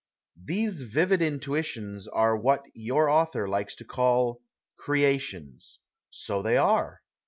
These vivid intuitions are what your author likes to call " creations." So they arc.